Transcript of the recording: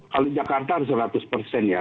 kalau jakarta harus seratus persen ya